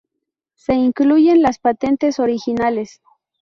Se incluyen las patentes originales.